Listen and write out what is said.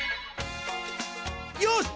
よし！